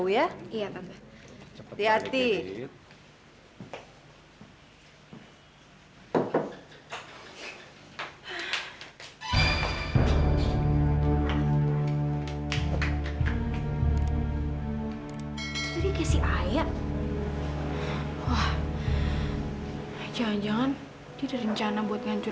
ya ya ya ya yaudah